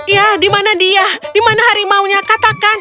ya dimana dia dimana harimau nya katakan